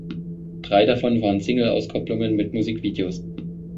Drei davon waren Singleauskopplungen mit Musikvideos.